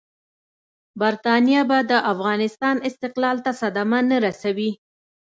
برټانیه به د افغانستان استقلال ته صدمه نه رسوي.